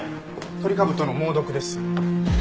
トリカブトの猛毒です。